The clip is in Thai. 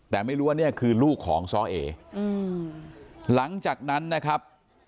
แต่ไม่รู้ว่าเนี่ยคือลูกของซ้อเอหลังจากนั้นนะครับ